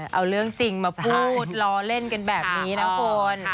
เอาเรื่องจริงมาพูดล้อเล่นกันแบบนี้นะคุณ